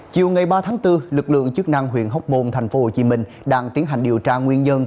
chiều ba bốn lực lượng chức năng huyện hốc môn tp hcm đang tiến hành điều tra nguyên nhân